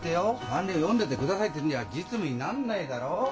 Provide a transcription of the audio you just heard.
判例読んでてくださいって言うんじゃ実務になんないだろう？